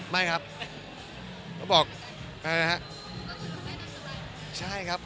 ไม่ครับ